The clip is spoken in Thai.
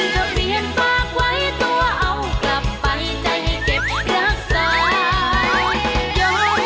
แต่เบอร์นี้จะได้ยินเสียงใจบอกว่า